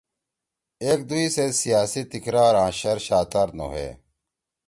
ایک دُوئی سیت سیاسی تکرار آں شر شاتار نہ ہوئے۔